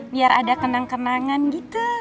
biar ada kenang kenangan gitu